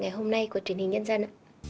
ngày hôm nay của truyền hình nhân dân